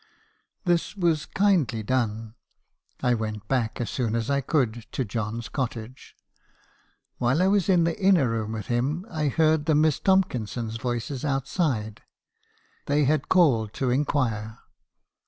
"This was kindly done. I went back, as soon as I could, to John's cottage. While I was in the inner room with him, I heard the Miss Tomkinsons' voices outside. They had called to inquire.